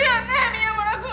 宮村君。